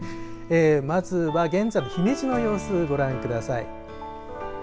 まずは現在の姫路の様子ご覧ください。